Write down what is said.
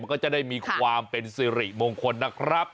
ก็จะได้มีความเป็นสิริมงคลนะครับ